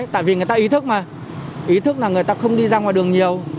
tại vì người ta ý thức mà ý thức là người ta không đi ra ngoài đường nhiều